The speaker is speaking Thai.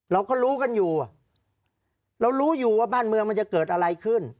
เราก็รู้กันอยู่เรารู้อยู่ว่าบ้านเมืองมันจะเกิดอะไรขึ้น